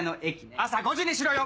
朝５時にしろよ！